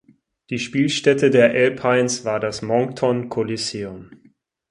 Die Spielstätte der Alpines war das Moncton Coliseum.